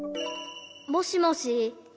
もしもし？